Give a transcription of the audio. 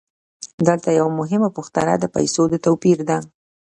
دلته یوه مهمه پوښتنه د پیسو د توپیر ده